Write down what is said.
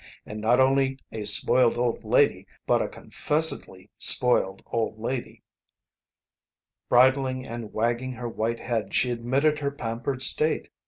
And not only a spoiled old lady but a confessedly spoiled old lady. Bridling and wagging her white head she admitted her pampered state.